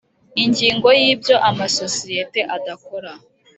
ingingo ya ibyo amasosiyete adakora